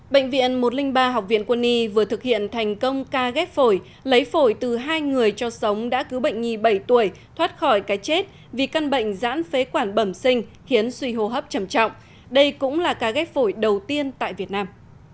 bệnh viện một trăm linh ba học viện quân y vừa thực hiện thành công ca ghép phổi lấy phổi từ hai người cho sống đã cứu bệnh nhi bảy tuổi thoát khỏi cái chết vì căn bệnh giãn phế quản bẩm sinh khiến suy hô hấp trầm trọng đây cũng là ca ghép phổi đầu tiên tại việt nam